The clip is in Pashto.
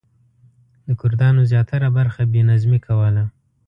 د کردانو زیاتره برخه بې نظمي کوله.